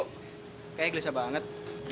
kayaknya gelesah banget